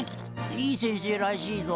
いい先生らしいぞ。